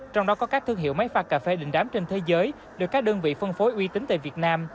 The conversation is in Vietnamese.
trong đó có các thương hiệu máy pha cà phê định đám trên thế giới được các đơn vị phân phối uy tín tại việt nam